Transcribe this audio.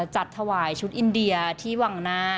จัดถวายชุดอินเดียที่วังหน้า